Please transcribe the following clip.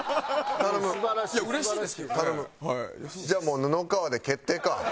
じゃあもう布川で決定か。